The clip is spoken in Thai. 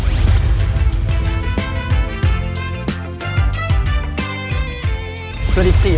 สวัสดี๔ราศี